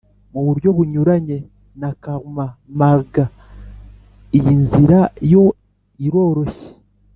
mu buryo bunyuranye na karma marga iyi nzira yo iroroshye,